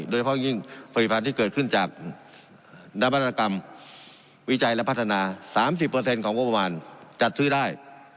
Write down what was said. โดยเพราะยิ่งผลิตภัณฑ์ที่เกิดขึ้นจากนวัตกรรมวิจัยและพัฒนา๓๐ของงบประมาณจัดซื้อได้